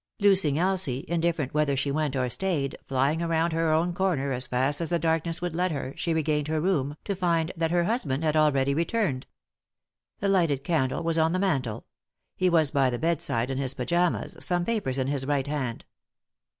Loosing Elsie, indifferent whether she went or stayed, flying around her own comer as fast as the darkness would let her, she regained her room, to find that her husband had already returned. The lighted candle was on the mantel. He was by the bedside in his pyjamas, some papers in his right hand.